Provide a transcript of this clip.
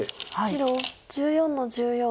白１４の十四。